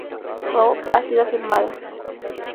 Cloud" ha sido filmada.